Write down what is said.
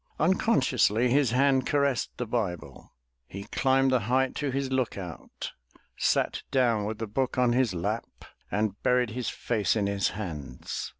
Unconsciously his hand caressed the Bible; he climbed the height to his look out, sat down with the book on his lap and buried his face in his hands.